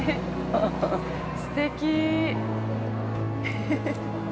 すてきー。